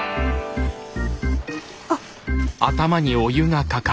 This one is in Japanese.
あっ。